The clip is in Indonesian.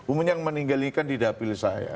umun yang meninggalkan di dapil saya